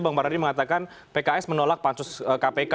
bang baradi mengatakan pks menolak pancus kpk